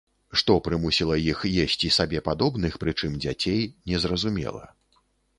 Што прымусіла іх есці сабе падобных, прычым дзяцей, незразумела.